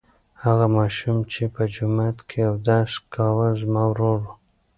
هغه ماشوم چې په جومات کې اودس کاوه زما ورور و.